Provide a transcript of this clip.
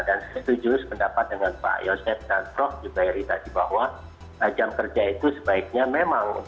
dan setuju pendapat dengan pak yosef dan prof juga yang tadi bahwa jam kerja itu sebaiknya memang